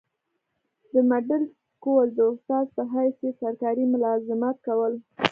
دمډل سکول د استاذ پۀ حيث ئي سرکاري ملازمت کولو